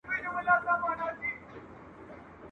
ښایسته مرغه پر دوی باندي خندله ..